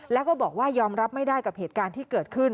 แล้วก็บอกว่ายอมรับไม่ได้กับเหตุการณ์ที่เกิดขึ้น